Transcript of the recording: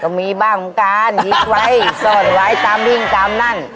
ก็มีบ้างกันนิดไว้ซ่อนไว้ตามตามนั่น